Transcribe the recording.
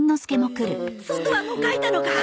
そ外はもう描いたのか？